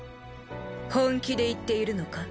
本気で言っているのか？